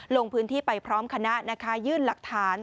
ลงพื้นที่ไปพร้อมคณะนะคะยื่นหลักฐาน